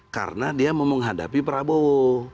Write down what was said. karena dia mau menghadapi prabowo